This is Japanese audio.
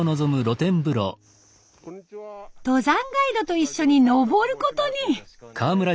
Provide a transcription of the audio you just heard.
登山ガイドと一緒に登ることに。